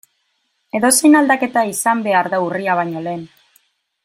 Edozein aldaketa izan behar da urria baino lehen.